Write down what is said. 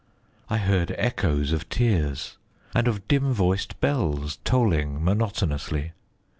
I heard echoes of tears, and of dim voiced bells tolling monotonously.